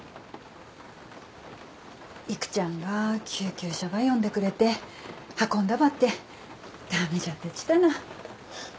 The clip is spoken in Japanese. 育ちゃんが救急車ば呼んでくれて運んだばって駄目じゃたちたな。